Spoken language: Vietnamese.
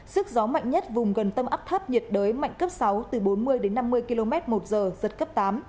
sức gió mạnh nhất vùng gần tâm áp thấp nhiệt đới mạnh cấp sáu từ bốn mươi đến năm mươi km một giờ giật cấp tám